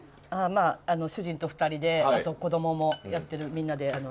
まあ主人と２人であと子供もやってるみんなで。